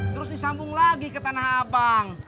terus disambung lagi ke tanah abang